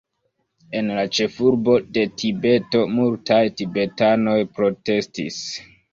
En la ĉefurbo de Tibeto, multaj tibetanoj protestis.